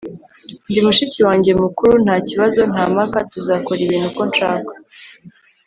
ndi mushiki wanjye mukuru. nta kibazo. nta mpaka. tuzakora ibintu uko nshaka